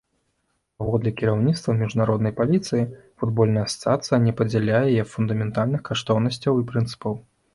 Паводле кіраўніцтва міжнароднай паліцыі, футбольная асацыяцыя не падзяляе яе фундаментальных каштоўнасцяў і прынцыпаў.